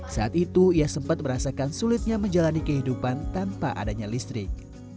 saat itu ia sempat merasakan sulitnya menjalani kehidupan tanpa adanya listrik